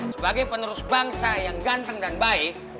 sebagai penerus bangsa yang ganteng dan baik